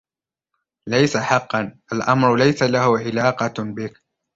لَيسَ حَقَاً...الأمر لَيسَ لَهُ عِلاقةٌ بِكْ